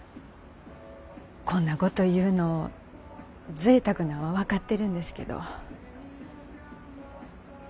こんなこと言うのぜいたくなんは分かってるんですけど。